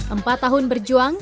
empat tahun berjuang